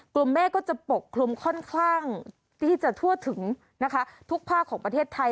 เมฆก็จะปกคลุมค่อนข้างที่จะทั่วถึงนะคะทุกภาคของประเทศไทย